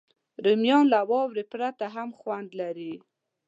رومیان له واورې پرته هم خوند لري